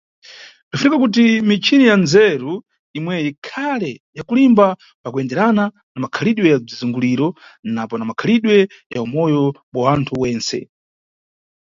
Bzinʼfunika kuti michini ya ndzeru imweyi ikhale ya kulimba pakuyenderana na makhalidwe ya bzizunguliro napo na makhalidwe ya umoyo bwa wanthu wentse.